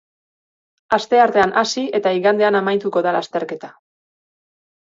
Asteartean hasi eta igandean amaituko da lasterketa.